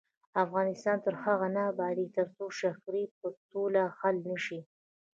افغانستان تر هغو نه ابادیږي، ترڅو شخړې په سوله حل نشي.